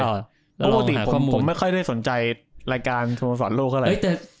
ปกติผมไม่ค่อยได้สนใจรายการสโมสรโลกเท่าไหร่